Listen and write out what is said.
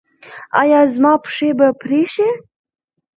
ایا زما پښې به پرې شي؟